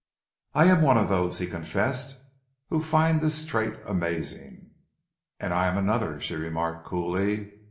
"I am one of those," he confessed, "who find this trait amazing." "And I am another," she remarked coolly.